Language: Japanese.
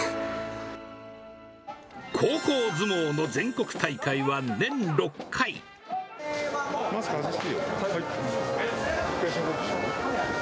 高校相撲の全国大会は、マスク外していいよ。